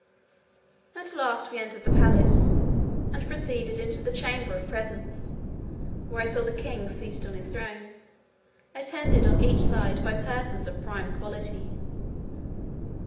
At last we entered the palace, and proceeded into the chamber of presence, where I saw the king seated on his throne, attended on each side by persons of prime quality.